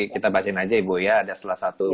kita bacain aja ibu ya ada salah satu